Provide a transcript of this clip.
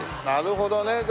なるほどね。